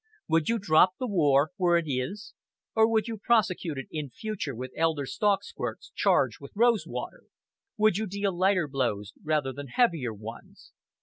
Would you drop the war where it is? Or would you prosecute it in future with elder stalk squirts charged with rosewater? Would you deal lighter blows rather than heavier ones?